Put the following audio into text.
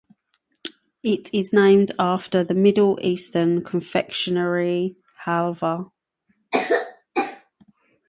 It is named after the middle-eastern confectionery Halva.